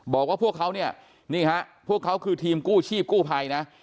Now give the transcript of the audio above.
บอกว่าพวกเขาเนี่ยนี่ฮะพวกเขาคือทีมกู้ชีพกู้ภัยนะ